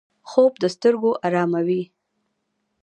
خوب د سترګو آراموي